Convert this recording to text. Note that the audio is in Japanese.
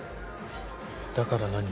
だから何？